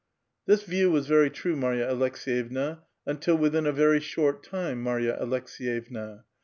This view was very true, Marva Aleks^yevna, until within a very short time, Marva Aleks^jevna.